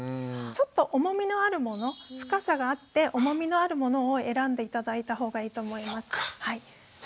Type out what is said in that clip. ちょっと重みのあるもの深さがあって重みのあるものを選んで頂いたほうがいいと思います。